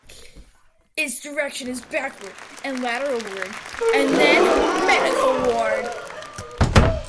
Its direction is backward and lateralward, and then medial ward.